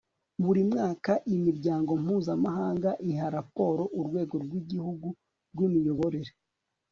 buri mwaka imiryango mpuzamahanga iha raporo urwego rw'igihugu rw'imiyoborere